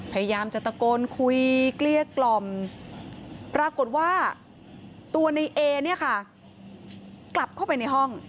พยายามจะตะโกนคุยเกลี้ยกล่อมปรากฏว่าตัวในเอเนี่ยค่ะกลับเข้าไปในห้อง